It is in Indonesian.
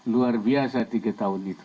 luar biasa tiga tahun itu